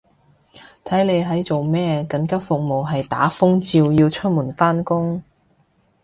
睇你係做咩，緊急服務係打風照要出門返工